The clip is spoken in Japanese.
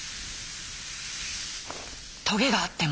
「トゲがあっても？」。